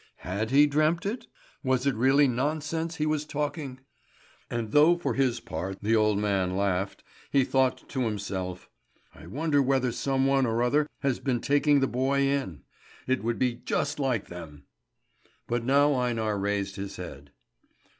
Had he dreamt it? Was it really nonsense he was talking? And though for his part the old man laughed, he thought to himself: "I wonder whether some one or other has been taking the boy in! It would be just like them!" But now Einar raised his head.